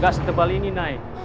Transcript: gak se tebal ini nay